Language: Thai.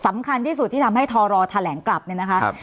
สำคัญที่สุดที่ทำให้ทรตรวษฎาแหลกกลับนะครับ